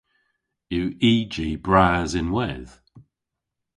Yw y ji bras ynwedh?